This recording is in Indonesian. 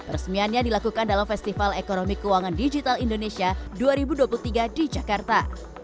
resmiannya dilakukan dalam festival ekonomi keuangan digital indonesia dua ribu dua puluh tiga di jakarta